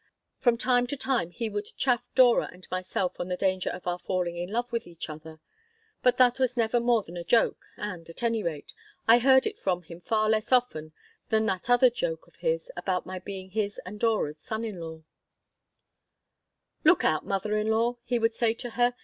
From time to time he would chaff Dora and myself on the danger of our falling in love with each other, but that was never more than a joke and, at any rate, I heard it from him far less often than that other joke of his about my being his and Dora's son in law "Look out, mother in law," he would say to her.